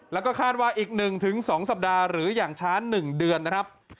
แล้วก็คาดว่าอีก๑๒สัปดาห์หรืออย่างช้า๑เดือนนะครับ